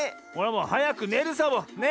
もうはやくねるサボ！ね。